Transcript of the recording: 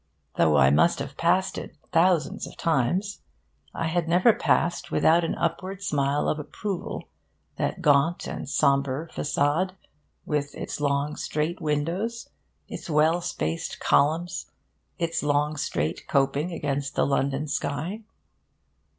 Though I must have passed it thousands of times, I had never passed without an upward smile of approval that gaunt and sombre facade, with its long straight windows, its well spaced columns, its long straight coping against the London sky.